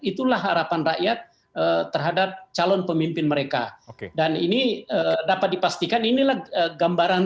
itulah harapan rakyat terhadap calon pemimpin mereka dan ini dapat dipastikan inilah gambaran